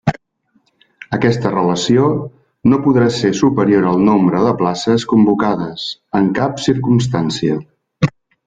Aquesta relació no podrà ser superior al nombre de places convocades, en cap circumstància.